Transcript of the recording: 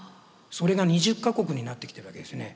それが２０か国になってきてるわけですね。